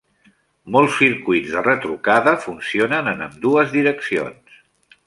Molts circuits de retrucada funcionen en ambdues direccions.